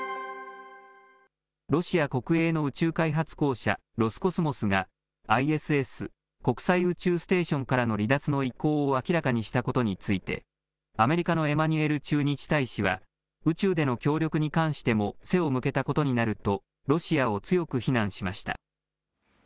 ロシア国営の宇宙開発公社、ロスコスモスが、ＩＳＳ・国際宇宙ステーションからの離脱の意向を明らかにしたことについて、アメリカのエマニュエル駐日大使は、宇宙での協力に関しても背を向けたことになると、ロシアを強く非難しました。